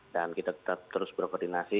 dan kita tetap terus berkoordinasi